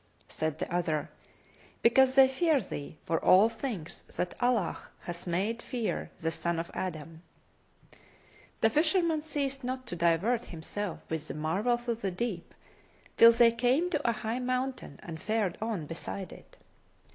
Said the other, "Because they fear thee, for all things that Allah hath made fear the son of Adam.[FN#265]" The fisherman ceased not to divert himself with the marvels of the deep, till they came to a high mountain and fared on beside it.